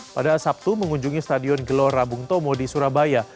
pada sabtu mengunjungi stadion gelora bung tomo di surabaya